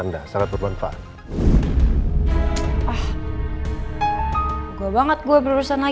masa pertama kaliions lha